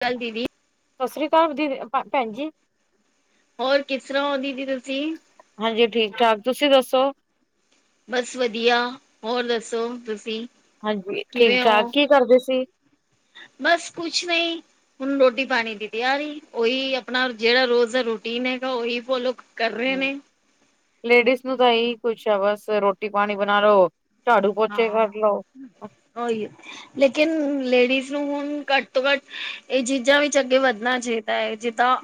ਚੱਲ ਦੀਦੀ। ਸਤਿ ਸ੍ਰੀ ਅਕਾਲ। ਦੀ ਭੈਣ ਜੀ। ਹੋਰ। ਕਿਸ ਤਰ੍ਹਾਂ ਉਹ ਦੀਦੀ ਤੁਸੀਂ? ਹਾਂਜੀ। ਠੀਕ -ਠਾਕ। ਤੁਸੀਂ ਦੱਸੋ? ਬਸ ਵਧੀਆ। ਹੋਰ ਦੱਸੋ ਤੁਸੀਂ। ਹਾਂਜੀ। ਠੀਕ ਕਿਵੇਂ -ਠਾਕ। ਹੋ ਕੀ ਕਰਦੇ ਸੀ? ਬਸ ਕੁਛ ਨਹੀ। ਹੁਣ ਰੋਟੀ ਪਾਣੀ ਦੀ ਤਿਆਰੀ। ਓਹੀ ਆਪਣਾ ਜਿਹੜਾ ਰੋਜ਼ ਦਾ ਰੂਟੀਨ ਹੈਗਾ। ਉਹੀ ਫੋਲੋ ਕਰ ਰਹੇ ਨੇ। ਲੇਡੀਜ਼ ਨੂੰ ਤਾਂ ਇਹੀ ਕੁਛ ਆ ਬਸ। ਰੋਟੀ ਪਾਣੀ ਬਣਾ ਲਓ। ਝਾੜੂ ਪੋਚੇ ਹਾਂ ਕਰ ਲਓ। ਉਹੀ ਹੈ। ਲੇਕਿਨ ਲੇਡੀਜ਼ ਨੂੰ ਹੁਣ ਘੱਟ ਤੋਂ ਘੱਟ। ਇਹ ਚੀਜ਼ਾਂ ਵਿੱਚ ਅੱਗੇ ਵੱਧਣਾ ਚਾਹੀਦਾ। ਜਿੱਦਾਂ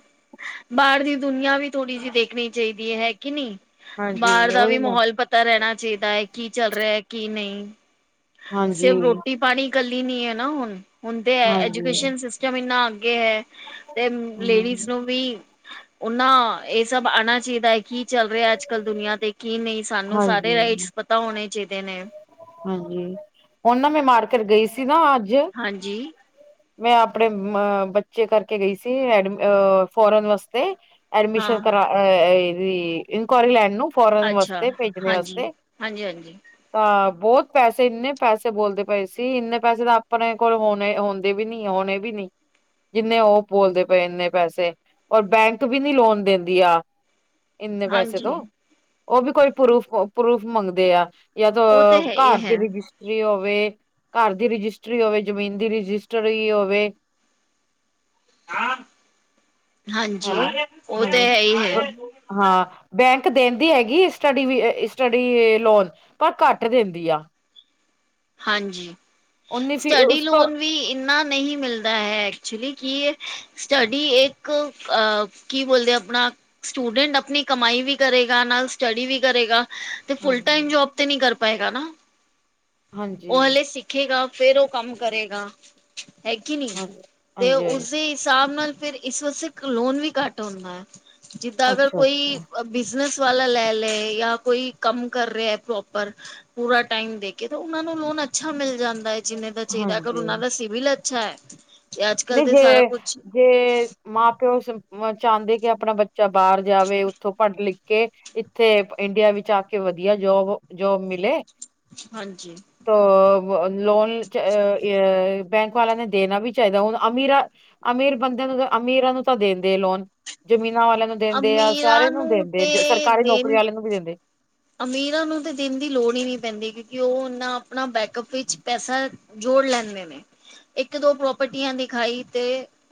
ਬਾਹਰ ਦੀ ਦੁਨੀਆਂ ਵੀ ਥੋੜ੍ਹੀ ਜਿਹੀ ਦੇਖਣੀ। ਚਾਹੀਦੀ ਹੈ। ਕਿ ਨਹੀਂ ਹਾਂਜੀ ਬਾਹਰ ਦਾ ਉਹੀ ਵੀ ਨਾ। ਮਾਹੌਲ ਪਤਾ ਰਹਿਣਾ ਚਾਹੀਦਾ ਹੈ। ਕੀ ਚੱਲ ਰਿਹਾ ਕੀ ਨਹੀਂ, ਹਾਂਜੀ ਸਿਰਫ ਰੋਟੀ ਪਾਣੀ ਇਕੱਲੀ ਨੀ ਹੈ ਨਾ ਹੁਣ ਹੁੰਦੇ ਹੈ। ਹਾਂਜੀ ਐਜੂਕੇਸ਼ਨ ਸਿਸਟਮ ਇੰਨਾ ਅੱਗੇ ਹੈ। ਤੇ ਲੇਡੀਜ਼ ਹਮ ਨੂੰ ਵੀ ਓਨਾਂ, ਇਹ ਸਭ ਆਉਣਾ ਚਾਹੀਦਾ ਹੈ। ਕੀ ਚੱਲ ਰਿਹਾ ਅੱਜ ਅਕਲ ਦੁਨੀਆਂ ਤੇ ਕੀ ਨਹੀਂ, ਸਾਨੂੰ ਸਾਰੇ ਹਾਂਜੀ ਰਾਈਟਸ ਪਤਾ ਹੋਣੇ ਚਾਹੀਦੇ ਨੇ। ਹਾਂਜੀ, ਹੁਣ ਨਾ ਮੈਂ ਮਾਰਕਟ ਗਈ ਸੀ ਨਾ ਅੱਜ। ਹਾਂਜੀ। ਮੈਂ ਆਪਣੇ ਅ ਬੱਚੇ ਕਰਕੇ ਗਈ ਸੀ। ਫੋਰਨ ਵਾਸਤੇ ਅਡਮੀਸ਼ਨ ਹਾਂ ਕਰ ਅ ਇਹਦੀ। ਇਨਕੁਆਇਰੀ ਲੈਣ ਨੂੰ ਫੋਰਨ ਅੱਛਾ ਵਾਸਤੇ, ਭੇਜਣੇ ਹਾਂਜੀ ਵਾਸਤੇ ਹਾਂਜੀ ਹਾਂਜੀ ਤਾਂ ਬਹੁਤ ਪੈਸੇ ਇੰਨੇ ਪੈਸੇ ਬੋਲਦੇ ਪਏ ਸੀ। ਇੰਨੇ ਪੈਸੇ ਤਾਂ ਆਪਣੇ ਕੋਲ ਹੋਣੇ ਹੁੰਦੇ। ਵੀ ਨੀ ਆਉਣੇ ਵੀ ਨੀ। ਜਿੰਨੇ ਉਹ ਬੋਲਦੇ ਪਏ। ਇੰਨੇ ਪੈਸੇ ਔਰ ਬੈਂਕ ਵੀ ਨੀ ਲੋਨ ਦਿੰਦੀ ਆ। ਇੰਨੇ ਪੈਸੇ ਹਾਂਜੀ ਤੋਂ ਉਹ ਵੀ ਕੋਈ ਪਰੂਫ-ਪਰੂਫ ਮੰਗਦੇ ਆ। ਜਦ ਉਹ ਤੇ ਹੈ ਘਰ ਹੀ ਹੈ ਦੇ ਰਜਿਸ ਹੋਵੇ ਘਰ ਦੀ ਰਜਿਸਟਰੀ ਹੋਵੇ, ਜਮੀਨ ਦੀ ਰਜਿਸਟਰੀ ਹੋਵੇ। ਹਾਂਜੀ, ਹੈਲੋ ਉਹ ਤੇ ਹਾਂਜੀ ਹੈ ਹੀ ਅ, ਹੈ। ਹਾਂ। ਬੈਂਕ ਦੇਣ ਦੀ ਹੈਗੀ ਸਟੱਡੀ ਵੀ ਸਟੱਡੀ ਲੋਨ ਪਰ ਘੱਟ ਦਿੰਦੀ ਆ। ਹਾਂਜੀ, ਉਨੀ ਫੀ ਸਟੱਡੀ ਉਸ ਤੋਂ ਲੋਨ ਵੀ ਇੰਨਾ ਨਹੀਂ ਮਿਲਦਾ ਹੈ। ਐਕਚੁਲੀ ਕਿ ਸਟੱਡੀ ਇੱਕ ਅ ਕੀ ਬੋਲਦੇ, ਆਪਣਾ ਸਟੂਡੈਂਟ ਆਪਣੀ ਕਮਾਈ ਵੀ ਕਰੇਗਾ। ਨਾਲ ਸਟੱਡੀ ਵੀ ਕਰੇਗਾ। ਤੇ ਫੁਲ ਟਾਈਮ ਹਾਂਜੀ ਜੋਬ ਤੇ ਨੀ ਕਰ ਪਾਏਗਾ ਨਾ। ਹਾਂਜੀ ਉਹ ਹਲੇ ਸਿੱਖੇਗਾ। ਫੇਰ ਉਹ ਕੰਮ ਕਰੇਗਾ। ਹੈਗੀ ਨੀ ਹਾਂ ਤੇ, ਹਾਂਜੀ ਹਾਂਜੀ ਉਸਦੇ ਹਿਸਾਬ ਨਾਲ ਫੇਰ ਇਸ ਵਾਸਤੇ ਲੋਨ ਵੀ ਘੱਟ ਹੁੰਦਾ ਹੈ। ਜਿੱਦਾਂ ਅਗਰ ਅੱਛਾ ਅੱਛਾ ਕੋਈ ਬਿਜਨਸ ਵਾਲਾ ਲੈ-ਲੈ, ਯਾ ਕੋਈ ਕੰਮ ਕਰ ਰਿਹਾ ਹੈ। ਪ੍ਰੋਪਰ ਪੂਰਾ ਟਾਈਮ ਦੇਖ ਤਾਂ ਉਹਨਾਂ ਨੂੰ ਲੋਨ ਅੱਛਾ ਮਿਲ ਜਾਂਦਾ ਹੈ। ਜਿੰਨੇ ਦਾ ਚਾਹੀਦਾ ਅਗਰ ਹਾਂਜੀ ਉਹਨਾਂ ਦਾ ਸਿਵਲ ਅੱਛਾ ਹੈ। ਤੇ ਅੱਜ ਕੱਲ ਨਹੀਂ ਤੇ ਸਾਰਾ ਜੇ ਕੁਛ -ਜੇ ਮਾਂ, ਪਿਓ ਚਾਹੁੰਦੇ ਕਿ ਆਪਣਾ ਬੱਚਾ ਬਾਹਰ ਜਾਵੇ। ਉੱਥੋਂ ਪੜ੍ਹ ਲਿਖ ਕੇ ਇੱਥੇ ਇੰਡੀਆ ਵਿੱਚ ਆ ਕੇ ਵਧੀਆ ਜੋਬ-ਜੋਬ ਮਿਲੇ। ਹਾਂਜੀ ਲੋਨ ਬੈਂਕ ਵਾਲਾ ਨੇ ਦੇਣਾ ਵੀ। ਚਾਹੀਦਾ। ਹੁਣ ਅਮੀਰਾਂ -ਅਮੀਰ ਬੰਦਿਆਂ ਨੂੰ ਅਮੀਰਾਂ ਨੂੰ ਤਾਂ ਦਿੰਦੇ ਲੋਨ, ਜ਼ਮੀਨਾਂ ਵਾਲਿਆਂ ਨੂੰ ਦਿੰਦੇ ਆ। ਸਾਰੇ ਅਮੀਰਾਂ ਨੂੰ ਦਿੰਦੇ, ਤੇ ਸਰਕਾਰੀ ਨੌਕਰੀ ਦੇਣ ਵਾਲੇ ਨੂੰ ਵੀ ਦਿੰਦੇ। ਅਮੀਰਾਂ ਨੂੰ ਤੇ ਦੇਣ ਦੀ ਲੋੜ ਹੀ ਨਹੀਂ ਪੈਂਦੀ। ਕਿਉਂਕਿ ਉਹ ਇਨਾ ਆਪਣਾ ਬੈਕ ਅਪ ਵਿੱਚ ਪੈਸਾ ਜੋੜ ਲੈਂਦੇ ਨੇ ਇੱਕ- ਦੋ ਪ੍ਰੋਪਰਟੀਆਂ ਦਿਖਾਈ ਤੇ।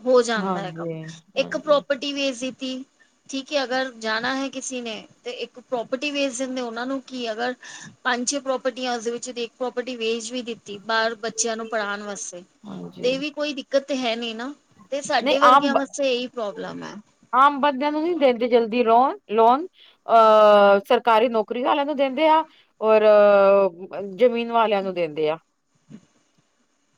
ਹੋ ਜਾਂਦਾ ਹੈ। ਕੰਮ ਹਾਂਜੀ ਇੱਕ ਹਾਂਜੀ ਪ੍ਰੋਪਰਟੀ ਵੇ ਠੀਕ ਅਗਰ ਜਣਾ ਹੈੇ। ਨੇ ਇੱਕ ਪ੍ਰੋਪਰਟੀ ਵੇਸ ਕਿ ਸ਼ਿੰਦੇ ਉਹਨਾਂ ਨੂੰ ਕੀ ਅਗਰ ਪੰਜ- ਛੇ ਪ੍ਰੋਰਟੀਆਂ, ਉਸਦੇ ਵਿੱਚ ਦੀ ਇੱਕ ਪ੍ਰੋਪਰਟੀ ਵੇਚ ਵੀ ਦਿੱਤੀ। ਬਾਹਰ ਬੱਚਿਆਂ ਨੂੰ ਪੜ੍ਹਾਉਣ ਵਾਸਤੇ ਹਾਂਜੀ ਤੇ ਵੀ ਕੋਈ ਦਿੱਕਤ ਹੈ ਨੀ ਨਾ, ਤੇ ਨਹੀਂ ਸਾਡੇ ਆਮ ਵਰਗਿਆਂ ਵਾਸਤੇ ਇਹੀ ਪ੍ਰੋਬਲਮ ਹੈ। ਆਮ ਬੰਦਿਆਂ ਨੂੰ ਨਹੀਂ ਦਿੰਦੇ ਜਲਦੀ ਰੋਣ ਲੋਨ ਅਹ ਸਰਕਾਰੀ ਨੌਕਰੀ ਵਾਲਿਆਂ ਨੂੰ ਦਿੰਦੇ ਆ। ਔਰ ਜ਼ਮੀਨ ਵਾਲਿਆਂ ਨੂੰ ਦਿੰਦੇ ਆ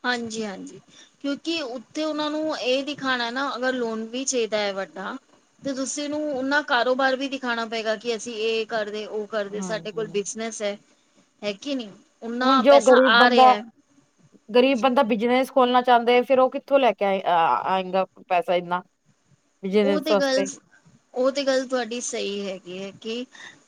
ਹਾਂਜੀ ਹਾਂਜੀ ਕਿਉਂਕਿ ਉੱਥੇ ਉਹਨਾਂ ਨੂੰ ਇਹ ਦਿਖਾਉਣਾ ਨਾ ਅਗਰ ਲੋਨ ਵੀ ਚਾਹੀਦਾ ਹੈ ਵੱਡਾ ਤੇ ਤੁਸੀਂ ਨੂੰ ਉਹਨਾ ਕਾਰੋਬਾਰ ਵੀ ਦਿਖਾਉਣਾ ਪਏਗਾ ਕਿ ਅਸੀਂ ਇਹ ਕਰਦੇ ਉਹ ਕਰਦੇ ਸਾਡੇ ਹਾਂਜੀ ਕੋਲ ਬਿਜਨਸ ਹੈ ਹੈਗੀ ਕੀ ਨੀ ਓਨਾ ਹੁਣ ਜੋ ਪੈਸਾ ਗ਼ਰੀਬ ਆ ਰਿਹਾ ਬੰਦਾ ਹੈ ਗ਼ਰੀਬ ਬੰਦਾ ਬਿਜਨਸ ਖੋਲਣਾ ਚਾਹੁੰਦਾ ਫਿਰ ਉਹ ਕਿੱਥੋਂ ਲੈ ਕੇ ਆ ਆਏਗਾ ਪੈਸਾ ਇਨਾ ਉਹ ਤੇ ਗੱਲ ਉਹ ਤੇ ਗੱਲ ਤੁਹਾਡੀ ਸਹੀ ਹੈਗੀ ਹੈ ਕਿ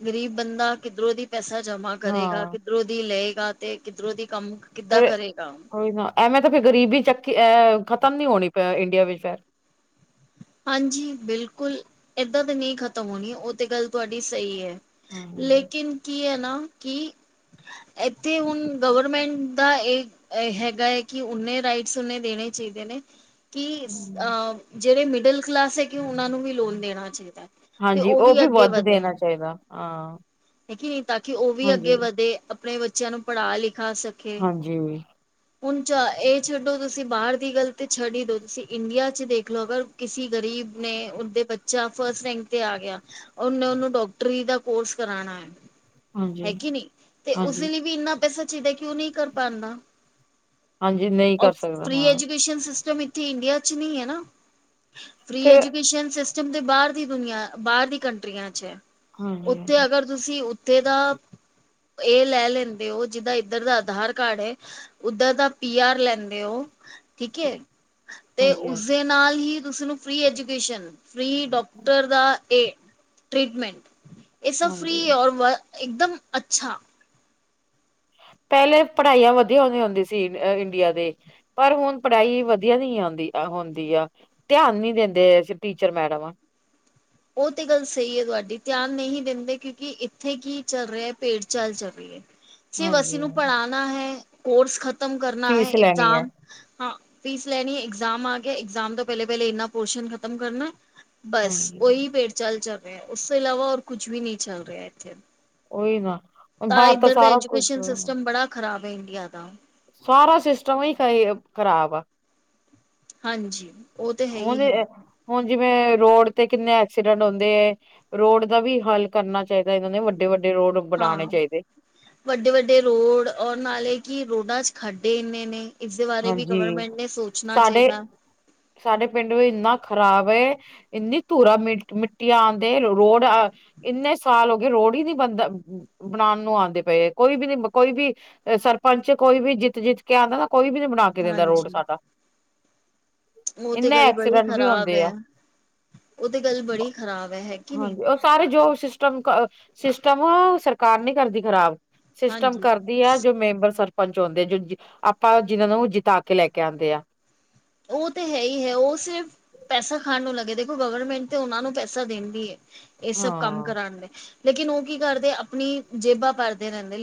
ਗ਼ਰੀਬ ਬੰਦਾ ਕਿੱਧਰੋਂ ਦੀ ਪੈਸਾ ਜਮਾ ਕਰੇਗਾ ਹਾਂ ਕਿੱਧਰੋਂ ਦੀ ਲਏਗਾ ਤੇ ਕਿੱਧਰੋਂ ਦੀ ਕੰਮ ਕਿੱਦਾਂ ਫੇਰ ਕਰੇਗਾ ਕੋਈ ਨਾ ਐਵੇਂ ਤਾਂ ਫਿਰ ਗ਼ਰੀਬੀ ਚੱਕੀ ਖਤਮ ਨੀ ਹੋਣੀ ਪ ਇੰਡੀਆ ਵਿੱਚ ਫਰ ਹਾਂਜੀ ਬਿਲਕੁਲ ਏਦਾਂ ਤਾਂ ਨਹੀਂ ਖਤਮ ਹੋਣੀ ਉਹ ਤੇ ਗੱਲ ਤੁਹਾਡੀ ਸਹੀ ਹੈ ਹਾਂਜੀ ਲੇਕਿਨ ਕੀ ਹੈ ਨਾ ਕਿ ਇੱਥੇ ਹੁਣ ਗਵਰਮੈਂਟ ਦਾ ਇਹ ਹੈਗਾ ਹੈ ਕਿ ਓਨੇ ਰਾਈਟਸ ਓਨੇ ਦੇਣੇ ਚਾਹੀਦੇ ਨੇ ਕਿ ਹਮ ਅ ਜਿਹੜੇ ਮਿਡਲ ਕਲਾਸ ਹੈਗੇ ਉਹਨਾਂ ਨੂੰ ਵੀ ਲੋਨ ਦੇਣਾ ਚਾਹੀਦਾ ਹੈ ਹਾਂਜੀ ਉਹ ਵੀ ਵੱਧ ਦੇਣਾ ਚਾਹੀਦਾ ਹਾਂ ਹੈਗੀ ਨਹੀਂ ਤਾਂ ਕਿ ਉਹ ਵੀ ਹਾਂਜੀ ਅੱਗੇ ਵਧੇ ਆਪਣੇ ਬੱਚਿਆਂ ਨੂੰ ਪੜ੍ਹਾ ਲਿਖਾ ਸਕ ਹਾਂਜੀ ਹੁਣ ਚ ਇਹ ਛੱਡੋ ਤੁਸੀਂ ਬਾਹਰ ਦੀ ਗੱਲ ਤੇ ਛੱਡ ਹੀ ਦੋ ਤੁਸੀਂ ਇੰਡੀਆ ਚ ਦੇਖ ਲੋ ਅਗਰ ਕਿਸਸੀ ਗ਼ਰੀਬ ਨੇ ਉਹਦੇ ਬੱਚਾ ਫਸਟ ਰੈਂਕ ਤੇ ਆ ਗਿਆ ਓਹਨੇ ਨੂੰ ਡਾਕਟਰੀ ਦਾ ਕੋਰਸ ਕਰਾਣਾ ਹੈ ਹਾਂਜੀ ਹੈਕੀ ਨੇ ਤੇ ਹਾਂਜੀ ਉਸਦੇ ਲਈ ਵੀ ਇੰਨਾ ਪੈਸਾ ਚਾਹੀਦਾ ਕਿਉ ਨਹੀਂ ਕਰ ਪਾਉਦਾ ਹਾਂਜੀ ਨਹੀਂ ਔਰ ਕਰ ਸਕਦਾ ਫ੍ਰੀ ਹਾਂ ਐਜੂਕੇਸ਼ਨ ਸਿਸਟਮ ਇ ਇੰਡੀਆ ਚ ਨਹੀ ਹੈ ਨਾ ਫਰੀ ਫਿਰ ਐਜੂਕੇਸ਼ਨ ਸਿਸਟਮ ਜਮਦੇ ਬਾਹਰ ਦੀ ਦੁਨੀਆਂ ਬਾਹਰ ਦੀ ਕੰਟਰੀਆਂ ਚ ਹਾਂ ਉੱਥੇ ਅਗਰ ਤੁਸੀਂ ਉੱਥੇ ਦਾ ਇਹ ਲੈ ਲੈਂਦੇ ਹੋ ਜਿੱਦਾਂ ਇੱਧਰ ਦਾ ਆਧਾਰ ਕਾਰਡ ਹੈ ਉਓਧਰ ਦਾ ਪੀ ਆਰ ਲੈਂਦੇ ਹੋ ਠੀਕ ਤੇ ਹਾਂਜੀ ਹਾਂਜੀ ਉਸਦੇ ਨਾਲ ਹੀ ਤੁਸੀਂ ਨੂੰ ਫਰੀ ਐਜੂਕੇਸ਼ਨ ਫੀ ਡਾਕਟਰ ਦਾ ਏ ਟ੍ਰੀਟਮੈਂਟ ਇਹ ਸਭ ਫ੍ਰੀ ਹਾਂਜੀ ਔਰ ਇੱਕਦਮ ਅੱਛਾ ਪਹਿਲੇ ਪੜ੍ਹਾਈਆਂ ਵਧੀਆ ਹੋਆਂ ਹੁੰਦੀ ਸੀ ਇੰਡੀਆ ਦੇ ਪਰ ਹੁਣ ਪੜ੍ਹਾਈ ਵਧੀਆ ਨਹੀਂ ਆਉਂਦੀ ਹੁੰਦੀ ਆ ਧਿਆਨ ਨੀ ਦਿੰਦੇ ਟੀਚਰ ਮੈਡਮ ਉਹ ਤੇ ਗੱਲ ਸਹੀ ਹੈ ਤੁਹਾਡੀ ਧਿਆਨ ਨਹੀਂ ਦਿੰਦੇ ਕਿਉਂਕਿ ਇੱਥੇ ਕੀ ਚੱਲ ਰਿਹਾ ਭੇਟ ਚਾਲ ਚੱਲ ਰਹੀ ਸ ਅਸੀਂ ਹਾਂਜੀ ਨੂੰ ਪੜ੍ਹਾਣਾ ਹੈ ਕੋਰਸ ਖ਼ਤਮ ਕਰਨਾ ਹੈ ਫੀਸ ਲੈਣੀ ਹੈ ਇਗਜ਼ਾਮ ਹਾਂ ਫੀਸ ਲੈਣੀ ਇਗਜਾਮ ਆ ਗਿਆ ਇਗਜਾਮ ਤੋਂ ਪਹਿਲੇ ਪਹਿਲੇ ਇਨਾ ਪੋਰਸ਼ਨ ਖ਼ਤਮ ਕਰਨਾ ਬਸ ਹਾਂਜੀ ਉਓਹੀ ਵੇੜ ਚਾਲ ਚੱਲ ਰਿਹਾ ਉਸ ਤੋਂ ਇਲਾਵਾ ਹੋਰ ਕੁੱਝ ਵੀ ਨਹੀਂ ਚੱਲ ਰਿਹਾ ਇੱਥੇ ਉਹੀ ਨਾੁ ਬਾਹਰ ਤਾਂ ਸਾਰਾ ਕੁਛ ਹੋ ਨਾ ਖਰਾਬ ਹੈ ਇੰਡੀਆ ਦਾ ਸਾਰਾ ਸਿਸਟਮ ਹੀ ਖਰਾਬ ਆ ਹਾਂਜੀ ਉਹ ਤੇ ਹੈ ਹੀ ਹੁਣ ਹੈ ਹੁਣ ਜਿਵੇਂ ਰੋਡ ਤੇ ਕਿੰਨੇ ਐਕਸੀਡੈਂਟ ਹੁੰਦੇ ਰੋਡ ਦਾ ਵੀ ਹੱਲ ਕਰਨਾ ਚਾਹੀਦਾ ਇਹਨਾਂ ਨੇ ਵੱਡੇ ਵੱਡੇ ਰੋਡ ਬਣਾਉਣੇ ਹਾਂ ਚਾਹੀਦੇ ਵੱਡੇ ਵੱਡੇ ਰੋਡ ਔਰ ਨਾਲੇ ਕਿ ਰੋਡਾਂ ਚ ਖੱਡੇ ਇੰਨੇ ਨੇ ਇਸਦੇ ਬਾਰੇ ਵੀ ਹਾਂਜੀ ਗਵਰਮੈਂਟ ਨੇ ਸੋਚਣਾ ਸਾਡੇ ਚਾਈਦਾ। ਸਾਡੇ ਪਿੰਡ ਵੀ ਏਨਾ ਖ਼ਰਾਬ ਐ। ਇੰਨੀ ਧੂਰਾ ਮ ਮਿੱਟੀਆਂ ਆਂਦੇ ਰੋਡ ਇੰਨੇ ਸਾਲ ਹੋ ਗਏ ਰੋੜ ਈ ਨੀ ਬਣਦਾ। ਬਣਾਣ ਨੂੰ ਆਂਦੇ ਪਏ ਐ, ਕੋਈ ਵੀ ਨੀ, ਕੋਈ ਵੀ ਸਰਪੰਚ, ਕੋਈ ਵੀ ਜਿੱਤ ਜਿੱਤ ਕੇ ਆਂਦਾ ਨਾ ਕੋਈ ਵੀ ਨੀ ਬਣਾ ਕੇ ਦਿੰਦਾ ਰੋਡ ਸਾਡਾ। ਓ ਤੇ ਇੰਨੇ ਗੱਲ ਬੜੀ ਐਕਸੀਡੈਂਟ ਵੀ ਖਰਾਬ ਹੁੰਦੇ ਐ, ਆ ਓ ਤੇ ਗੱਲ ਬੜੀ ਖਰਾਬ ਐ। ਹੈ ਕੇ ਨਈ। ਪਰ ਜੋ ਸਿਸਟਮ- ਸਿਸਟਮ ਸਰਕਾਰ ਨੀ ਕਰਦੀ ਖ਼ਰਾਬ। ਸਿਸਟਮ ਹਾਂਜੀ ਕਰਦੀ ਆ ਜੋ ਮੈਂਬਰ ਸਰਪੰਚ ਆਉਂਦੇ। ਜੋ ਜੋ ਅਪ ਆਪਾਂ ਜਿਨਾਂ ਨੂੰ ਜਿਤਾ ਕੇ ਲੈ ਕੇ ਆਂਦੇ ਆ। ਓ ਤੇ ਹੈ ਹੀ ਹੈ। ਓ ਸਿਰਫ ਪੈਸਾ ਖਾਣ ਨੂੰ ਲੱਗੇ। ਦੇਖੋ ਗਵਰਮੈਂਟ ਤੇ ਓਨਾ ਨੂੰ ਪੈਸਾ ਦੇਂਦੀ ਐ। ਏ ਸਭ ਕੰਮ ਹਾਂ ਕਰਾਣ ਦੇ ਲੇਕਿਨ ਓ ਕੀ ਕਰਦੇ ਆਪਣੀ ਜੇਬਾਂ ਭਰਦੇ ਰੈਂਦੇ।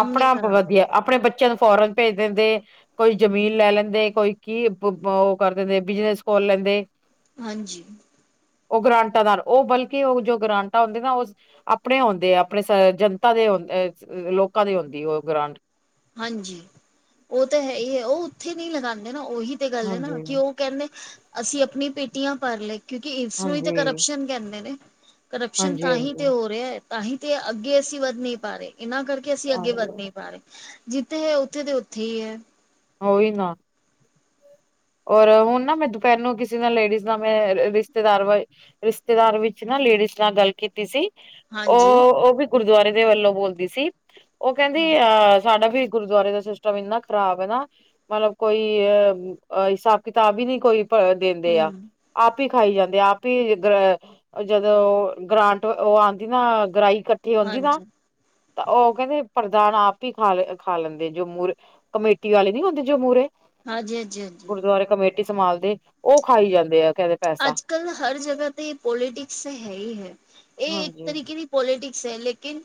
ਆਪਣਾ ਆਪ ਵਧੀਆ, ਆਪਣੇ ਬੱਚਿਆਂ ਨੂੰ ਫੋਰਨ ਭੇਜ ਦਿੰਦੇ। ਕੋਈ ਜ਼ਮੀਨ ਲੈ ਲੈਂਦੇ, ਕੋਈ ਕੀ ਓ ਕਰ ਦਿੰਦੇ ਬਿਜਨਸ ਖੋਲ ਲੈਂਦੇ। ਹਾਂਜੀ। ਓ ਗਰਾਂਟਾਂ ਦਰ ਓ ਬਲਕਿ ਓ ਜੋ ਗਰਾਂਟਾਂ ਹੁੰਦੇ ਨਾ, ਜੋ ਆਪਣੇ ਹੋਂਦੇ ਆ ਆਪਣੇ ਸ ਜਨਤਾ ਦੇ ਆ, ਲੋਕਾਂ ਦੇ ਹੋਂਦੀ ਓ ਗਰਾਂਟ। ਹਾਂਜੀ ਓ ਤਾਂ ਹੈ ਈ ਐ, ਓ ਓਥੇ ਨੀ ਲਗਾਂਦੇ ਨਾ, ਓਹੀ ਤੇ ਗੱਲ ਐ ਨਾ ਹਾਂਜੀ ਕੀ ਓ ਕੈਂਦੇ ਅਸੀਂ ਆਪਣੀ ਪੇਟੀਆਂ ਭਰ ਲਏ ਕਿਉਂਕਿ ਇਸਨੂੰ ਈ ਤੇ ਹਾਂਜੀ ਹਾਂਜੀ ਕਰਪਸ਼ਨ ਕੈਂਦੇ ਨੇ। ਕਰਪਸ਼ਨ ਤਾਂਹੀ ਤੇ ਹਾਂਜੀ ਹੋ ਰਿਆ, ਤਾਂਹੀ ਤੇ ਅੱਗੇ ਅਸੀਂ ਵੱਧ ਨੀ ਪਾ ਰੇ, ਏਨਾਂ ਕਰਕੇ ਅਸੀਂ ਅੱਗੇ ਵੱਧ ਨੀ ਪਾ ਪਰ ਜਿੱਥੇ ਐ ਓਥੇ ਦੇ ਓਥੇ ਹੀ ਐ। ਓਈ ਨਾ। ਔਰ ਹੁਣ ਨਾ ਮੈਂ ਦਪੈਰ ਨੂੰ ਕਿਸੇ ਨਾਲ, ਲੇਡੀਜ਼ ਦਾ ਮੈਂ ਰਿਸ਼ਤੇਦਾਰ ਵਈ ਰਿਸ਼ਤੇਦਾਰ ਵਿੱਚ ਨਾ ਲੇਡੀਜ਼ ਨਾਲ ਗੱਲ ਕੀਤੀ ਸੀ। ਓ ਹਾਂਜੀ ਓ ਵੀ ਗੁਰਦਵਾਰੇ ਦੇ ਵੱਲੋਂ ਬੋਲਦੀ ਸੀ। ਓ ਕੈਂਦੀ ਹਾਂ ਅਹ ਸਾਡਾ ਵੀ ਗੁਰਦਵਾਰੇ ਦਾ ਸਿਸਟਮ ਏਨਾ ਖਰਾਬ ਏ ਨਾ ਮਤਲਬ ਕੋਈ ਅ ਹਿਸਾਬ ਕਿਤਾਬ ਈ ਨੀ ਕੋਈ ਦੇਂਦੇ ਆ, ਹਮ ਆਪ ਹੀ ਖਾਈ ਜਾਂਦੇ ਆ, ਆਪ ਈ ਗਰ ਜਦੋਂ ਗਰਾਂਟ ਓ ਆਂਦੀ ਨਾ ਗਰਾਈ ਕੱਠੀ ਹੋਂਦੀ ਨਾ। ਹਾਂਜੀ ਤਾਂ ਓ ਕੈਂਦੀ ਪਰਦਾਨ ਆਪ ਈ ਖਾ ਲੈਂਦੇ, ਜੋ ਮੂਰੇ ਕਮੇਟੀ ਵਾਲੇ ਨੀ ਹੁੰਦੇ ਜੋ ਮੂਰੇ ਹਾਂਜੀ, ਹਾਂਜੀ, ਹਾਂਜੀ। ਗੁਰਦਵਾਰੇ ਕਮੇਟੀ ਸੰਭਾਲਦੇ ਓ ਖਾਈ ਜਾਂਦੇ ਆ ਕੈਂਦੇ। ਅੱਜ ਕੱਲ ਹਰ ਜਗ੍ਹਾ ਤੇ ਪੋਲੀਟਿਕਸ ਤੇ ਹੈ ਹੀ ਹੈ। ਏ ਇੱਕ ਹਾਂਜੀ ਤਰੀਕੇ ਦੀ ਪੋਲੀਟਿਕਸ ਹੈ ਲੇਕਿਨ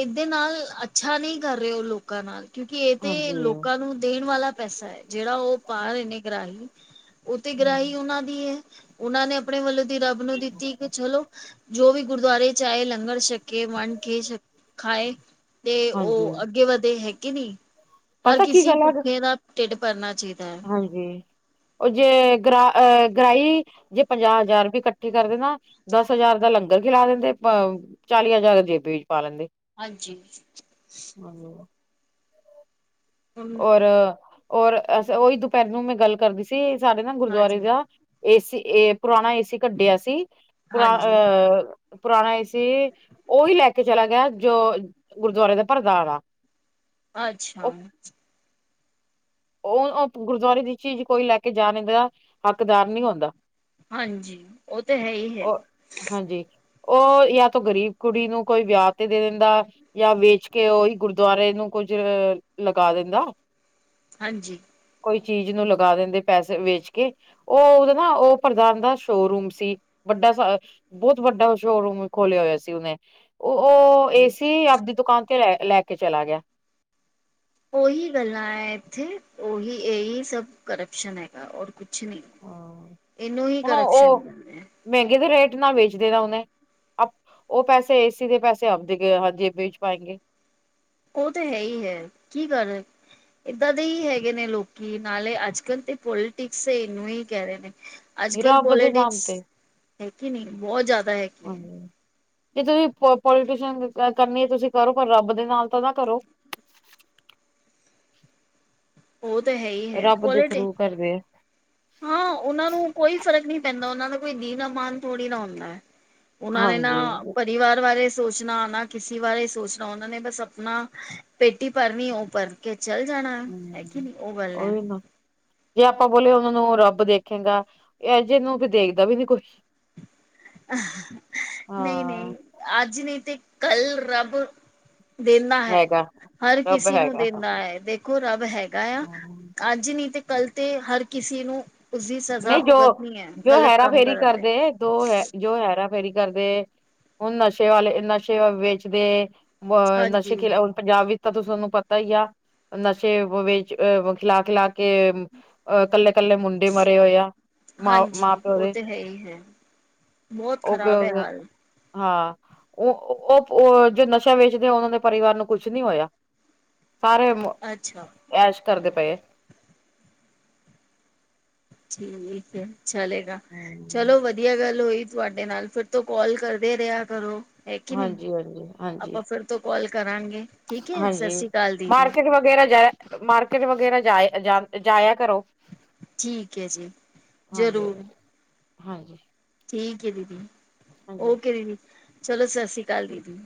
ਏਦੇ ਨਾਲ ਅੱਛਾ ਨੀ ਕਰ ਰੇ ਓ ਲੋਕ। ਲੋਕਾਂ ਨਾਲ ਕਿਉਂਕਿ ਏ ਤੇ ਹਾਂਜੀ ਲੋਕਾਂ ਨੂੰ ਦੇਣ ਵਾਲਾ ਪੈਸਾ ਐ। ਜੇੜਾ ਓ ਪਾ ਰੇ ਨੇ ਗ੍ਰਾਹੀ ਓ ਤੇ ਗ੍ਰਾਹੀ ਓਨਾਂ ਦੀ ਏ। ਓਨਾਂ ਨੇ ਆਪਣੇ ਵੱਲੋਂ ਰੱਬ ਨੂੰ ਦਿੱਤੀ ਕਿ ਚਲੋ ਜੋ ਵੀ ਗੁਰਦਵਾਰੇ 'ਚ ਆਏ ਲੰਗਰ ਛਕੇ। ਕੇ ਵੰਡ ਕੇ ਛਕੇ, ਖਾਏ ਤੇ ਓ ਹਾਂਜੀ ਅੱਗੇ ਵਧੇ ਹੈ ਕੇ ਨਈ। ਹਰ ਪਤਾ ਕੀ ਕਿਸੇ ਗੱਲ ਆ ਭੁੱਖੇ ਦਾ ਢਿੱਡ ਭਰਨਾ ਚਾਈਦਾ। ਹਾਂਜੀ ਓ ਜੇ ਗ੍ਰ ਅਹ ਗ੍ਰਾਈ ਜੇ ਪੰਜਾਅ ਹਜ਼ਾਰ ਵੀ ਕੱਠੇ ਕਰਦੇ ਨਾ ਦਸ ਹਜ਼ਾਰ ਦਾ ਲੰਗਰ ਖਿਲਾ ਦਿੰਦੇ, ਅ ਚਾਲੀ ਹਜ਼ਾਰ ਜੇਬੇ ਵਿੱਚ ਪਾ ਲੈਂਦੇ। ਹਾਂਜੀ ਹੈਲੋ। ਹਵੇ। ਔਰ ਔਹੀ ਦੁਪਹਿਰ ਨੂੰ ਮੈਂ ਗੱਲ ਕਰਦੀ ਸੀ ਸਾਡੇ ਨਾ ਗੁਰਦੁਆਰੇ ਹਾਂਜੀ ਜਾ। ਏਸੀ ਏ ਪੁਰਾਨਾ ਏਸੀ ਕੱਢਿਆ ਸੀ। ਪੁਰਾਨਾ ਹਾਂਜੀ ਐਹ ਪੁਰਾਨਾ ਏਸੀ ਔਹੀ ਲੈ ਕੇ ਚਲਾ ਗਿਆ ਜੋ ਗੁਰਦੁਆਰੇ ਦਾ ਪ੍ਰਧਾਨ ਆ। ਅੱਛਾ। ਔਹ ਔਹ ਗੁਰਦੁਆਰੇ ਦੀ ਚੀਜ਼ ਕੋਈ ਲੈ ਕੇ ਜਾਨ ਦਾ ਹੱਕਦਾਰ ਨਹੀਂ ਹੁੰਂਦਾ। ਹਂਜੀ, ਔਹ ਤਾਂ ਹੈ ਹੀ ਏ। ਹਂਜੀ, ਔਹ ਯਾ ਤ ਗ਼ਰੀਬ ਕੁੜੀ ਨੂੰ ਕੋਈ ਵਿਆਹ ਤੇ ਦੇ ਦਿੰਦਾ। ਯਾ ਵੇਚ ਕੇ ਔਹੀ ਗੁਰਦੁਆਰੇ ਨੂੰ ਕੁੱਝ ਲਗਾ ਦਿੰਦਾ। ਹਂਜੀ, ਕੋਈ ਚੀਜ਼ ਨੂੰ ਲਗਾ ਦਿੰਦੇ ਪੈਸੇ ਵੇਚ ਕੇ। ਔਹ ਔਹਦਾ ਨਾ ਔਹ ਪ੍ਰਧਾਨ ਦਾ ਸ਼ੋਰੂਮ ਸੀ ਵੱਡਾ ਸਾਰਾ। ਬੋੱਤ ਵੱਡਾ ਸ਼ੋਅਰੂਮ ਖੋਲਿਆ ਹੋਇਆ ਸੀ ਉੱਨੇ। ਔਹ ਔਹ ਏ ਜੀ ਸੀ ਅਪਨੀ ਦੁਕਾਨ ਤੇ ਲੈ ਲੈ ਕੇ ਚਲਾ ਗਿਆ। ਔਹੀ ਗੱਲਾਂ ਐ ਇੱਥੇ ਔਹੀ ਇਹੀ ਸਭ ਕਰੈਪਸ਼ਨ ਹੈਗਾ। ਔਰ ਕੁ- ਕੁਛ ਨਹੀਂ। ਹਾਂ, ਇਨੂੰ ਹੀ ਹੁਣ ਕਰੈਪਸ਼ਨ ਉਹ ਕਿਦੇ ਮਹਿੰਗੇ ਦੇ ਰੇਟ ਨਾਲ ਵੇਚੇਗਾ ਉਨੇ। ਔਹ ਪੈਸੇ ਏਸੀ ਦੇ ਪੈਸੇ ਆਪਦੇ ਹਜੇ ਵੇਚ ਜੇਬ ਪਾਏ ਗੇ। ਔਹ ਤੇ ਹੈ ਹੀ ਹੈ ਕੀ ਕਰ ਰੇ। ਇੱਦਾਂ ਦੇ ਹੀ ਹੈਗੇ ਨੇ ਲੋਕੀ ਨਾਲੇ ਅੱਜ ਕੱਲ ਤੇ ਪੋਲੀਟਿਕਸ ਇਨੂੰ ਹੀ ਕਹਿ ਰਹੇ ਨੇ। ਅੱਜ ਕੱਲ੍ਹ ਰੱਬ ਦੇ ਨਾਮ ਪੋਲੀਟਿਕਸ ਹੈਗੀ ਨਹੀਂ ਬੋੱਤ ਜੈਦਾ ਹੈਗੀ। ਹੈ ਹਂਜੀ, ਜੇ ਤੁਸੀਂ ਪੋਲੀਟੀਸ਼ਨ ਕਰਨੀ ਹੈ। ਤੁਸੀਂ ਕਰੋਪਰ ਰੱਬ ਦੇ ਨਾਲ ਤਾਂ ਨਾ ਕਰੋ। ਔਹ ਤਾਂ ਹੈ ਈ। ਰੱਬ ਦੇ ਥਰੂ ਕਰਦੈ। ਹਾਂ ਉਨਾਂ ਨੂੰ ਕੋਈ ਫਰਕ ਨਹੀਂ ਪੈਂਦਾ। ਉਨਾਂ ਦਾ ਕੋਈ ਦੀਨ ਮਾਨ ਥੋੜੀ ਨਾ ਹੁੰਦਾ ਐ। ਉਨਾਂ ਨੇ ਨਾ ਹਾਂਜੀ ਪਰਿਵਾਰ ਬਾਰੇ ਸੋਚਨਾ ਨਾ ਕਿਸਸੀ ਬਾਰੇ ਸੋਚਨਾ ਉਨਾਂ ਨੇ ਬਸ ਅਪਨਾ। ਪੇਟੀ ਭਰਨੀਔਹ ਭਰ ਕੇ ਚੱਲ ਜਾਨਾ ਹੂੰ, ਔਹ ਗੱਲ ਐ। ਉਹੀ ਨਾ ਜੇ ਆਪਾਂ ਬੋਲੇ ਉਨਾਂ ਨੂੰ ਰੱਬ ਦੇਖੇਗਾ। ਇਹ ਜਿਨੂੰ ਵੀ ਦੇਖਦਾ ਵੀ ਨੀ ਕੁਛ ਹਾਂ, ਨਹੀਂ-ਨਹੀਂ ਅੱਜ ਨਹੀਂ ਤੇ ਕੱਲ ਰੱਬ ਦੇਂਦਾ ਹੈ, ਹੈਗਾ ਹਰ ਰੱਬ ਕਿਸੇ ਨੂੰ ਹੈਗਾ ਦੇਂਦਾ ਹੈ, ਦੇਖੋ ਰੱਬ ਹੈਗਾ। ਹੈਗਾ ਆ ਅੱਜ ਨੀ ਤੇ ਕੱਲ ਤੇ ਹਰ ਕਿਸੇ ਨੂੰ ਉਸਦੀ ਸਜ਼ਾ ਨਹੀਂ ਭੁਗਤਣੀ ਹੈ ਜੋ-ਜੋ ਗ਼ਲਤ ਹੈੇਰਾ ਕੰਮ ਫੇਰੀ ਕਰਨ ਦੇ ਕਰਦੇ ਦੋ ਹੈ ਜੋ ਹੈੇਰਾ ਫੇਰੀ ਕਰਦੇ। ਹੁਨ ਨਸ਼ੇ ਵਾਲੇ ਨਸ਼ੇ ਵੇਚਦੇ ਅਹ ਨਸ਼ੇ ਹਾਂਜੀ ਖਿਲਾ। ਪੰਜਾਬ ਵਿੱਚ ਤਾਂ ਤੁਹਾਨੂੰ ਪਤਾ ਹੀ ਆ। ਨਸ਼ੇ ਵਿੱਚ ਅਹ ਖਿਲਾ-ਖਿਲਾ ਕੇ ਅਹ ਕੱਲੇ-ਕੱਲੇ ਮੁੰਡੇ ਮਰ। ਏਦਾਂ ਹੋਏਆ ਮ ਮਾਂ ਹਾਂਜੀ ਪਿਓ ਉਹ ਦੇ ਤੇ ਹੈ ਹੀ ਹੈ ਬਹੁਤ ਔਹ। ਖ਼ਰਾਬ ਹੈ ਹਾਲ ਹਾਂ ਔਹ-ਔਹ ਜੋ ਨਸ਼ਾ ਵੇਚਦੇ ਉਨਾਂ ਦੇ ਪਰਿਵਾਰ ਨੂੰ ਕੁਛ ਨੀ ਹੋਇਆ। ਸਾਰੇ ਅੱਛਾ ਐਸ਼ ਕਰਦੇ ਪਏਐ। ਠੀਕ ਹੈ ਚਲੇਗਾ। ਚਲੋ ਵਧੀਆਗੱਲ ਹੋਈ ਤੁਹਾਡੇ ਨਾਲ ਫਿਰ ਤੋਂ ਕੋਲ ਕਰਦੇ ਰਿਹਾ ਕਰੋ। ਹੈ ਕਿ ਨਹੀਂ ਹਾਂਜੀ ਹਾਂਜੀ ਹਾਂਜੀ ਆਪਾਂ ਫਿਰ ਤੋਂ ਕੋਲ ਕਰਾਂਗੇ ਠੀਕ ਹੈ ਸਸ ਸ੍ਰੀ ਕਾਲ ਦੀ। ਫੇਰ ਵਗੈਰਾ ਜਾਏ ਮਾਰਕੀਟ ਵਗੈਰਾ ਜਾਏ ਜਾਇਆ ਕਰੋ। ਠੀਕ ਹੈ ਜੀ ਜ਼ਰੂਰ। ਹਂਜੀ। ਠੀਕ ਏਦੀਦੀ ਔਕੇ ਦੀਦੀ ਚਲੋ ਸਸ ਸ਼੍ਰੀ ਕਾਲ ਦੀਦੀ।